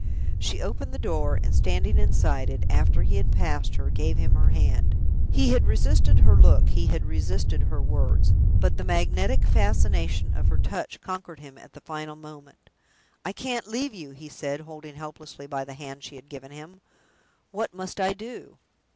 She opened the door, and, standing inside it, after he had passed her, gave him her hand. He had resisted her look, he had resisted her words, but the magnetic fascination of her touch conquered him at the final moment. "I can't leave you!" he said, holding helplessly by the hand she had given him. "What must I do?"